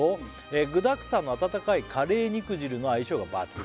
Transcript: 「具だくさんの温かいカレー肉汁の相性が抜群」